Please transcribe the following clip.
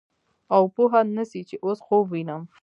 او پوه نه سې چې اوس خوب وينم.